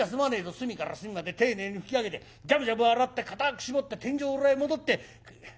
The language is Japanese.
隅から隅まで丁寧に拭き上げてジャブジャブ洗って固く絞って天井裏へ戻って。